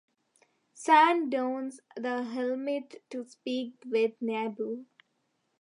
Sand dons the helmet to speak with Nabu.